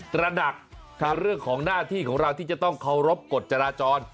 ตระหนักเรื่องของหน้าที่ของเราที่จะต้องเคารพกฎจราจร